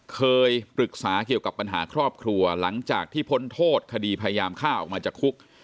เคยปรึกษาเกี่ยวกับปัญหาครอบครัวหลังจากที่พ้นโทษคดีพยายามฆ่าออกมาจากคุก